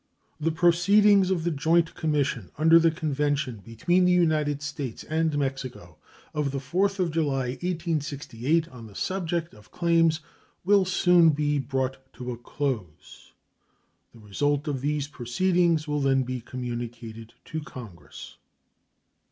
The proceedings of the joint commission under the convention between the United States and Mexico of the 4th of July, 1868, on the subject of claims, will soon be brought to a close. The result of those proceedings will then be communicated to Congress.